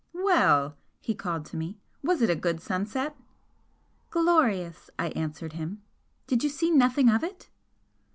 "Well!" he called to me "Was it a good sunset?" "Glorious!" I answered him "Did you see nothing of it?"